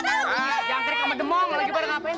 hah yang kering sama demong lagi pada ngapain sih